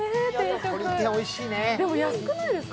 でも安くないですか？